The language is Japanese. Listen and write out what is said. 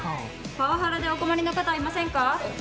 パワハラでお困りの方はいませんか？